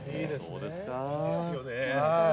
いいですよね。